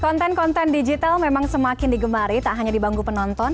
konten konten digital memang semakin digemari tak hanya dibanggu penonton